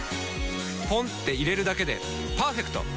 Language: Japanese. ポンって入れるだけでパーフェクト！